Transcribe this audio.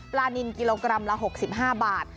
นินกิโลกรัมละ๖๕บาท